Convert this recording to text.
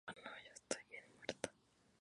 Estudió medicina en la Universidad de Heidelberg